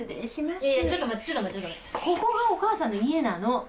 ここがお母さんの家なの。